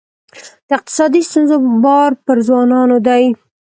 د اقتصادي ستونزو بار پر ځوانانو دی.